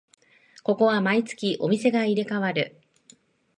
ここは毎月お店が入れ替わる